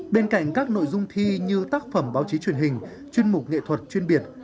bên cạnh các nội dung thi như tác phẩm báo chí truyền hình chuyên mục nghệ thuật chuyên biệt